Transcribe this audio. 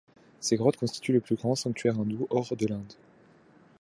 Ces grottes constituent le plus grand sanctuaire hindou hors de l'Inde.